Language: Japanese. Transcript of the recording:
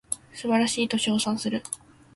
素晴らしいと称賛する